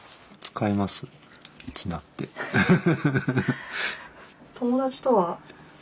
フフフフフ。